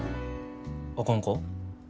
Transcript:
あかんか？